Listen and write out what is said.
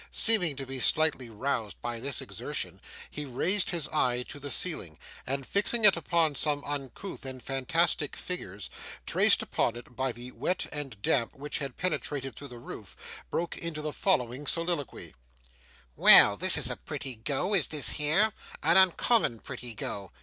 Seeming to be slightly roused by this exertion, he raised his eye to the ceiling, and fixing it upon some uncouth and fantastic figures, traced upon it by the wet and damp which had penetrated through the roof, broke into the following soliloquy: 'Well, this is a pretty go, is this here! An uncommon pretty go!